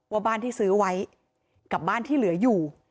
ว่าบ้านที่ซื้อไว้กับบ้านที่เหลืออยู่